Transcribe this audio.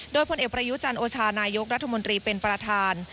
โดยผลเอกประยุจันทร์โอชานายกรัฐมนตรีเป็นประธาน